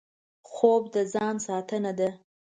خوب د ځان ساتنه ده